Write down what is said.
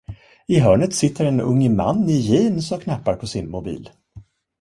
I hörnet sitter en ung man i jeans och knappar på sin mobil.